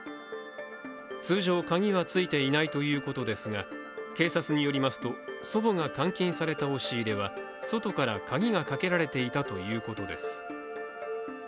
通常、鍵はついていないということですが警察によりますと祖母が監禁された押し入れは、外から鍵がかけられていたということです。